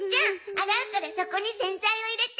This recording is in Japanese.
洗うからそこに洗剤を入れて。